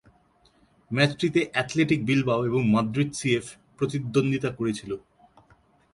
ম্যাচটিতে Athletic Bilbao এবং Madrid CF প্রতিদ্বন্দ্বিতা করেছিল।